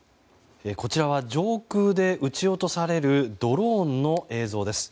こちらは上空で撃ち落とされるドローンの映像です。